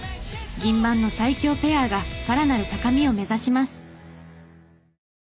銀盤の最強ペアがさらなる高みを目指します。